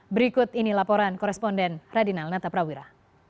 berikut ini laporan koresponden radinal nata prawira